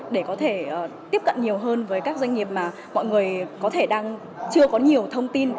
để có thể tiếp cận nhiều hơn với các doanh nghiệp mà mọi người có thể đang chưa có nhiều thông tin